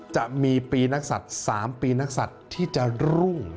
จะมีปีนักสัตว์๓ปีนักสัตว์ที่จะรุ่ง